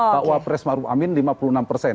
pak wapres maruf amin lima puluh enam persen